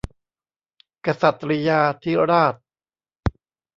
กษัตริยาธิราช